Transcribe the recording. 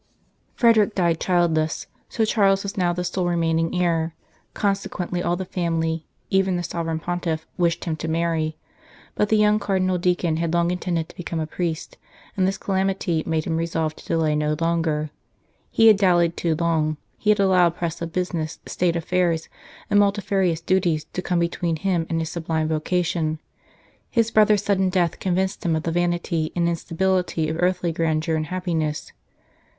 Frederick died childless, so Charles was now the sole remaining heir ; consequently all the family, even the Sovereign Pontiff, wished him to marry. But the young Cardinal Deacon had long intended to become a priest, and this calamity made him resolve to delay no longer. He had dallied too long ; he had allowed press of business, State affairs, and his multifarious duties, to come be tween him and his sublime vocation. His brother s 19 St. Charles Borromeo sudden death convinced him of the vanity and instability of earthly grandeur and happiness.